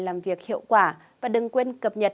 làm việc hiệu quả và đừng quên cập nhật